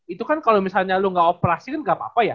itu kan kalau misalnya lo gak operasi kan nggak apa apa ya